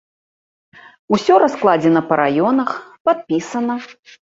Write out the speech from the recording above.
Усё раскладзена па раёнах, падпісана.